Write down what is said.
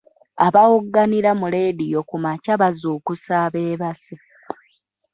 Abawogganira mu leediyo ku makya bazuukusa abeebase.